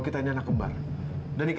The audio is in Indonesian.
jadi ternyata crying baby dari dulu